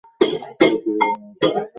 তুই কীভাবে আমার স্বামীকে প্রলুব্ধ করেছিলি?